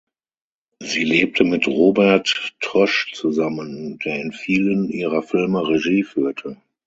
Sie lebte mit Robert Trösch zusammen, der in vielen ihrer Filme Regie führte.